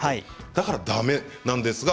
だから、だめなんですか。